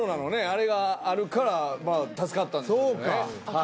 あれがあるから助かったんでしょうね